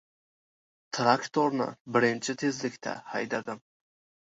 Traktorni birinchi tezlikda haydadim.